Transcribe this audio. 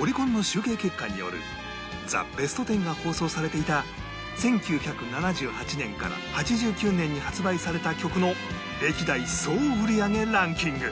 オリコンの集計結果による『ザ・ベストテン』が放送されていた１９７８年から８９年に発売された曲の歴代総売り上げランキング